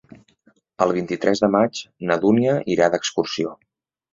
El vint-i-tres de maig na Dúnia irà d'excursió.